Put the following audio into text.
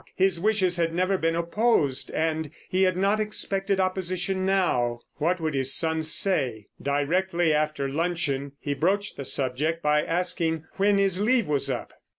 His wishes had never been opposed, and he had not expected opposition now. What would his son say? Directly after luncheon he broached the subject by asking when his leave was up.